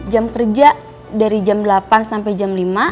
jam kerja dari jam delapan sampai jam lima